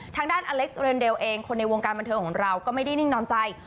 ทางด้านอเล็กซ์เรนเดลเองคนในวงการบันเทิงของเราก็ไม่ได้นิ่งนอนใจ